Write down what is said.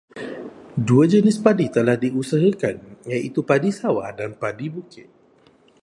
Dua jenis padi telah diusahakan iaitu padi sawah dan padi bukit.